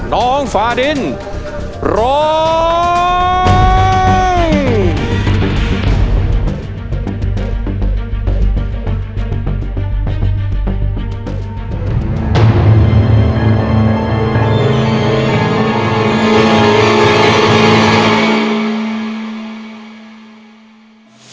น้องฟาดินร้อง